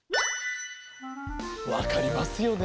わかりますよね？